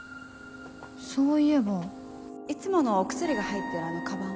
そういえばいつものお薬が入ってるあのカバンは？